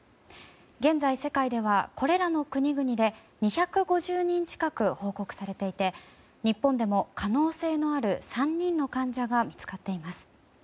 現在、世界ではこれらの国々で２５０人近く報告されていて日本でも、可能性のある３人の患者が見つかっています。